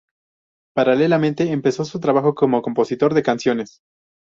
Paralelamente empezó su trabajo como compositor de canciones.